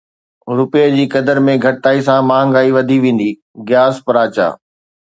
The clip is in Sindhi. رپئي جي قدر ۾ گهٽتائي سان مهانگائي وڌي ويندي، غياث پراچا